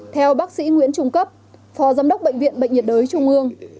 theo bác sĩ nguyễn trung cấp phó giám đốc bệnh viện bệnh nhiệt đới trung ương